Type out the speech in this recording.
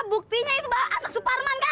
buktinya itu anak pak superman kan